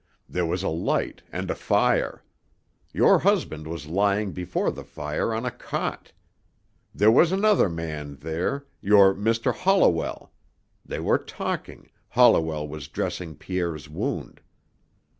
There was a light and a fire. Your husband was lying before the fire on a cot. There was another man there, your Mr. Holliwell; they were talking, Holliwell was dressing Pierre's wound.